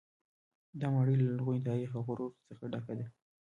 دا ماڼۍ له لرغوني تاریخ او غرور څخه ډکه ده.